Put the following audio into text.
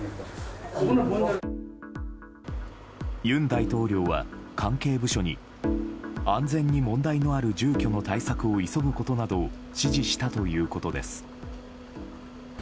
尹大統領は関係部署に安全に問題のある住居の対策を急ぐことなどを指示したということです。